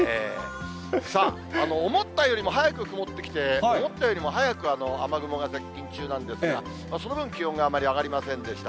思ったよりも早く曇ってきて、思ったよりも早く雨雲が接近中なんですが、その分、気温があまり上がりませんでした。